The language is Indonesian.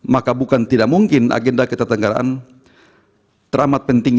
maka bukan tidak mungkin agenda ketatanegaraan teramat penting